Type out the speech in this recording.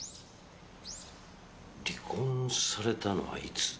離婚されたのはいつ？